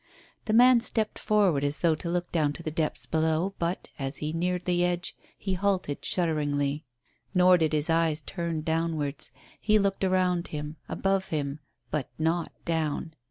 The man stepped forward as though to look down to the depths below, but, as he neared the edge, he halted shudderingly. Nor did his eyes turn downwards, he looked around him, above him but not down.